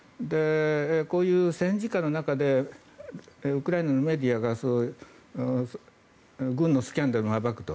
こういう戦時下の中でウクライナのメディアが軍のスキャンダルを暴くと。